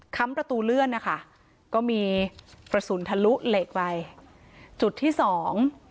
ประตูเลื่อนนะคะก็มีกระสุนทะลุเหล็กไปจุดที่สอง